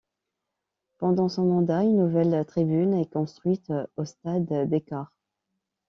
Pendant son mandat, une nouvelle tribune est construite au Stade des Corts.